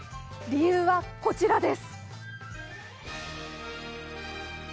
理由はこちらです。